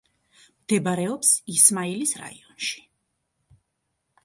მდებარეობს ისმაილის რაიონში.